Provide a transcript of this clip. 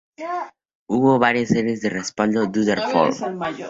Hubo varias series de respaldo en "Thunderbolt".